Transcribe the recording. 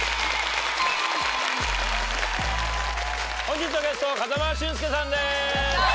本日のゲスト風間俊介さんです！